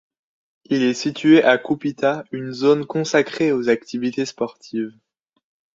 Il est situé à Kupittaa, une zone consacré aux activités sportives.